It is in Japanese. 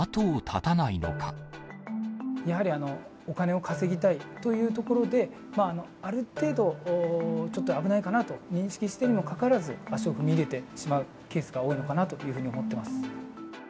やはりお金を稼ぎたいというところで、ある程度、ちょっと危ないかなと認識しているにもかかわらず、足を踏み入れてしまうケースが多いのかなというふうに思っています。